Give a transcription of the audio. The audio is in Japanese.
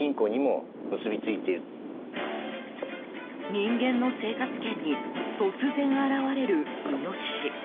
人間の生活圏に突然現れるイノシシ。